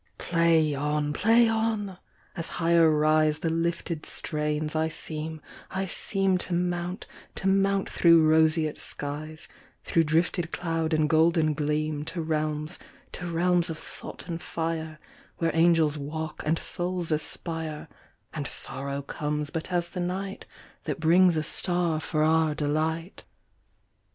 Play on! Play on! As higher riseThe lifted strains, I seem, I seemTo mount, to mount through roseate skies, Through drifted cloud and golden gleam, To realms, to realms of thought and fire, Where angels walk and souls aspire, And sorrow comes but as the nightThat brings a star for our delight.